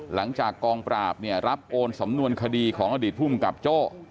หลังจากกองปราบเนี่ยรับโอนสำนวนคดีของอดีตภูมิกับโจ้